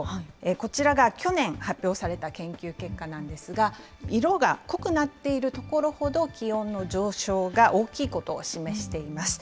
こちらが去年発表された研究結果なんですが、色が濃くなっている所ほど、気温の上昇が大きいことを示しています。